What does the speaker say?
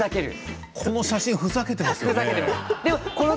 この写真ふざけてますよね。